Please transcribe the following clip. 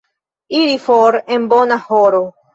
Iri for en bona horo.